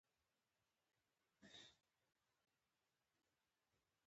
پوځي چیغه کړه ژوندي شئ او دېگ ته یې وکتل.